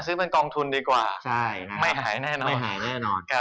ซื้อเป็นกองทุนดีกว่าไม่หายแน่นอน